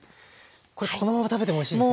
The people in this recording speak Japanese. このまま食べてもおいしいですよね。